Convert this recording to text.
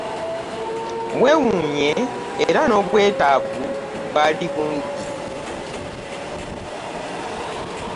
Weewuunye era n'obwetaavu bwali bungi